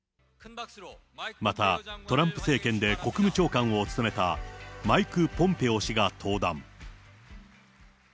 またトランプ政権で国務長官を務めたマイク・ポンペオ氏が登壇。